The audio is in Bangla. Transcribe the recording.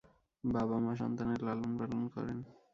বাবা মা সন্তানের লালন পালন করেন।